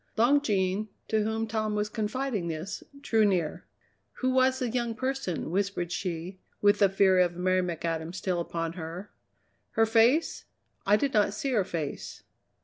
Long Jean, to whom Tom was confiding this, drew near. "Who was the young person?" whispered she, with the fear of Mary McAdam still upon her. "Her face? I did not see her face."